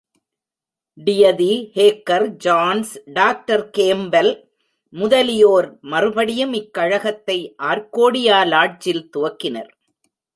டியதி, Hacker, Jones, doctor Campbell முதலியோர் மறுபடியும் இக் கழகத்தை, ஆர்கோடியா லாட்ஜில் துவக்கினர்.